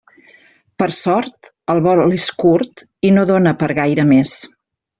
Per sort, el vol és curt i no dóna per a gaire més.